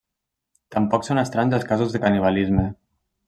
Tampoc són estranys els casos de canibalisme.